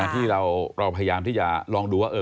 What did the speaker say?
ที่เราพยายามที่จะลองดูว่า